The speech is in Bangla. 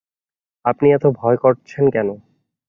আপনি এত ভয় করছেন কেন।